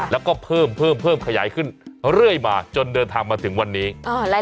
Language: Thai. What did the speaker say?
แล้วก็เพิ่มเพิ่มขยายขึ้นเรื่อยมาจนเดินทางมาถึงวันนี้